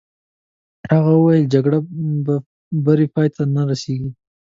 هغه وویل: جګړه په بري پای ته نه رسېږي.